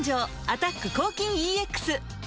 「アタック抗菌ＥＸ」